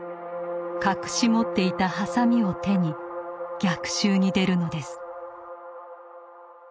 隠し持っていたハサミを手に逆襲に出るのです。